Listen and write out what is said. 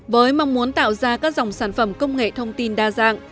với mong muốn tạo ra các dòng sản phẩm công nghệ thông tin đa dạng